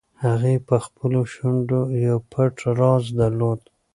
هغې په خپلو شونډو یو پټ راز درلود.